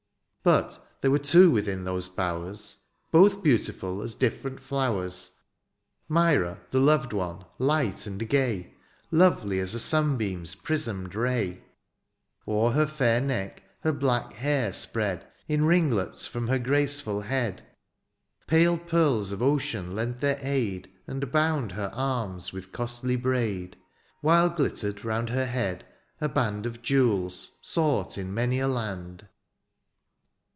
But there were two within those bowers. Both beautiful as difierent flowers : Myra, the loved one, light and gay. Lovely as sunbeam's prismed ray ; t^r^r^m THE AREOPAGITE. 27 O^er her fair neck her black hair spread In ringlets from her graceful head ; Pale pearls of ocean lent their aid And bound her arms with costly bndd^ While glittered roimd her head a band Of jewels sought in many a land.